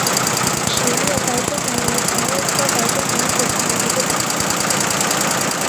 齿叶白鹃梅为蔷薇科白鹃梅属下的一个种。